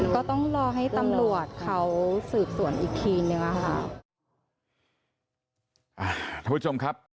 ก็ต้องรอให้ตำรวจเขาสืบสวนอีกทีนึงอะค่ะ